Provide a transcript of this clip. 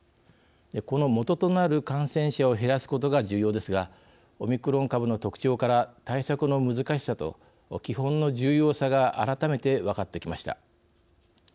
このもととなる感染者を減らすことが重要ですがオミクロン株の特徴から対策の難しさと基本の重要さが改めて分かってきました。